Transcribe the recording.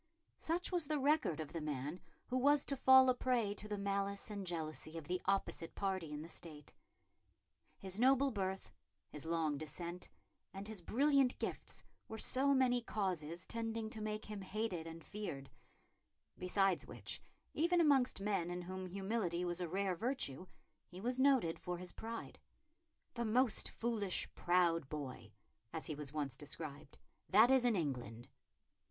Such was the record of the man who was to fall a prey to the malice and jealousy of the opposite party in the State. His noble birth, his long descent, and his brilliant gifts, were so many causes tending to make him hated and feared; besides which, even amongst men in whom humility was a rare virtue, he was noted for his pride "the most foolish, proud boy," as he was once described, "that is in England."